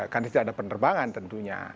kan tidak ada penerbangan tentunya